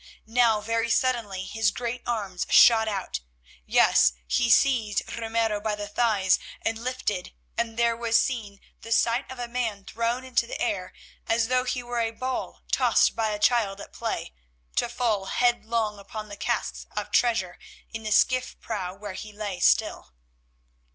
Now very suddenly his great arms shot out; yes, he seized Ramiro by the thighs and lifted, and there was seen the sight of a man thrown into the air as though he were a ball tossed by a child at play, to fall headlong upon the casks of treasure in the skiff prow where he lay still.